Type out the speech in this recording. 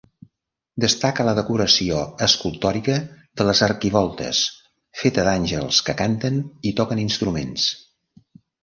Destaca la decoració escultòrica de les arquivoltes, feta d'àngels que canten i toquen instruments.